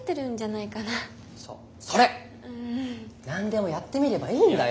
何でもやってみればいいんだよ！